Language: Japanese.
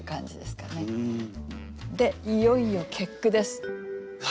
でいよいよ結句です。